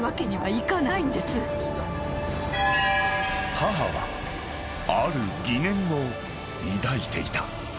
［母はある疑念を抱いていた］